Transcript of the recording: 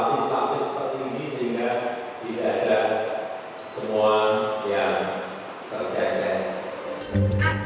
akan menilangkan software